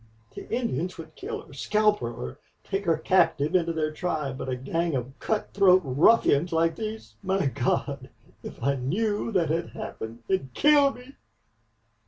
The Indians would kill her scalp her or take her captive into their tribe... But a gang of cutthroat ruffians like these... My God! if I KNEW that had happened it'd kill me."